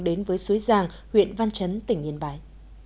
đến với suối giang huyện văn chấn tỉnh yên bái